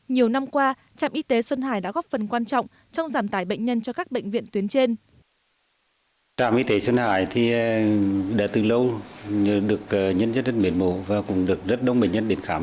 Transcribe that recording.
nhiều năm qua trạm y tế xuân hải đã góp phần quan trọng trong giảm tải bệnh nhân cho các bệnh viện tuyến trên